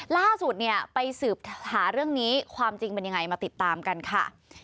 ล่าสุดเนี่ยไปสืบหาเรื่องนี้ความจริงเป็นยังไงมาติดตามกันค่ะ